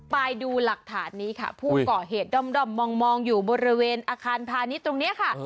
ไปดูหลักฐานนี้ค่ะผู้ก่อเหตุด้อมมองอยู่บริเวณอาคารพาณิชย์ตรงนี้ค่ะ